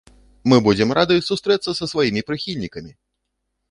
Мы будзем рады сустрэцца са сваімі прыхільнікамі!